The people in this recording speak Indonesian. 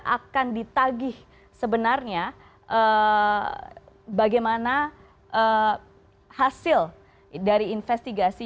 akan ditagih sebenarnya bagaimana hasil dari investigasi